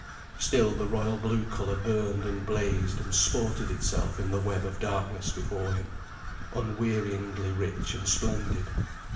Still the royal blue colour burned and blazed and sported itself in the web of darkness before him, unwearyingly rich and splendid.